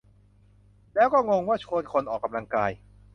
แล้วก็งงว่า "ชวนคนออกกำลังกาย"